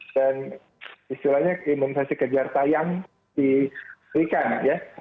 dan istilahnya imunisasi kejar tayang di rikan ya